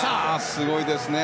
すごいですね。